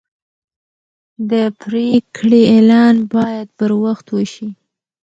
د پریکړې اعلان باید پر وخت وشي.